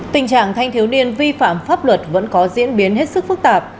tình trạng thanh thiếu niên vi phạm pháp luật vẫn có diễn biến hết sức phức tạp